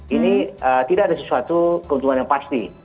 ini tidak ada sesuatu keuntungan yang pasti